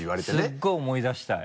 すごい思い出したい。